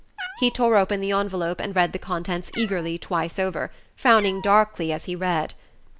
He tore open the envelope, and read the contents eagerly twice over, frowning darkly as he read.